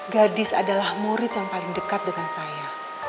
gadis adalah murid yang paling dekat dengan saya